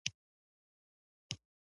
د صبر زړورتیا د بریا راز دی.